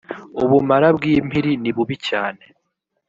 ubumara bw’impiri ni bubi cyane